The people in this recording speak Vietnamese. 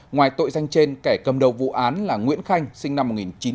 ngoài tội danh trên kẻ cầm đầu vụ án là nguyễn khanh sinh năm một nghìn chín trăm tám mươi